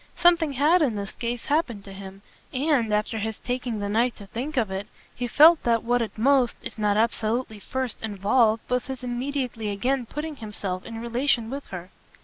Something HAD in this case happened to him, and, after his taking the night to think of it he felt that what it most, if not absolutely first, involved was his immediately again putting himself in relation with her.